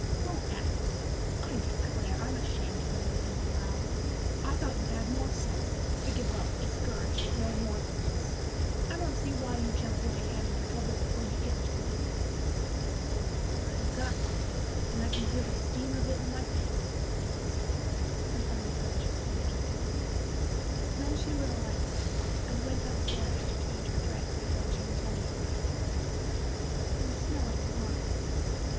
Don't act so. I declare, I'm ashamed of you, Eva Loud. I thought you had more sense, to give up discouraged at no more than this. I don't see why you jump way ahead into trouble before you get to it." "I've got to it, and I can feel the steam of it in my face," Eva said, with unconscious imagery. Then she lit a lamp, and went up stairs to change her dress before Jim Tenny arrived. It was snowing hard.